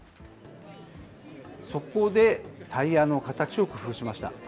そこで、タイヤの形を工夫しました。